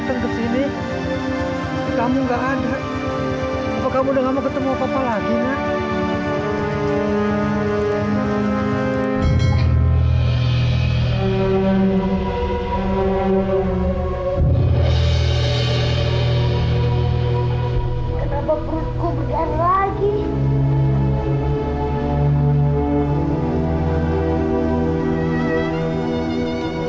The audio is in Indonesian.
kenapa perutku bergerak lagi